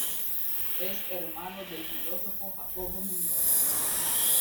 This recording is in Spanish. Es hermano del filósofo Jacobo Muñoz.